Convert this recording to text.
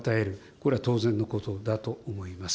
これは当然のことだと思います。